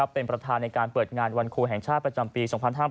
เป็นประธานในการเปิดงานวันครูแห่งชาติประจำปี๒๕๕๙